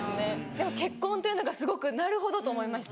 でも結婚というのがすごくなるほど！と思いました。